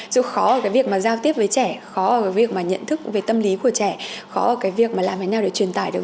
dù khó ở cái việc mà giao tiếp với trẻ khó ở cái việc mà nhận thức về tâm lý của trẻ khó ở cái việc mà làm thế nào để truyền tải được